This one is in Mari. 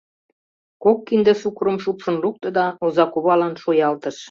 Кок кинде сукырым шупшын лукто да озакувалан шуялтыш.